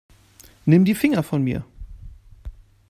Nimm die Finger von mir.